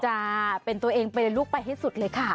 จะเป็นตัวเองไปเลยลูกไปให้สุดเลยค่ะ